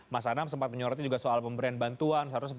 mas anam sempat menyoroti juga soal pemberian bantuan